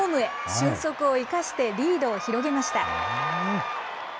俊足を生かしてリードを広げました。